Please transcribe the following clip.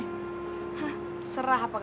hah serah apakah kamu